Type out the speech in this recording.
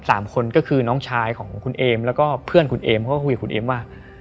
สามคนก็คือน้องชายของคุณเอมแล้วก็เพื่อนคุณเอมเขาก็คุยกับคุณเอมว่า